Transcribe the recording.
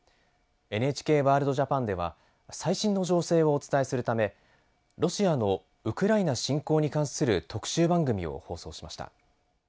「ＮＨＫワールドＪＡＰＡＮ」では最新の情勢をお伝えするためロシアのウクライナ侵攻に関する特集番組を放送しました。